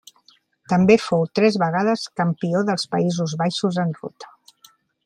També fou tres vegades campió dels Països Baixos en ruta.